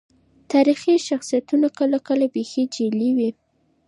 تاريخي شخصيتونه کله کله بيخي جعلي وي.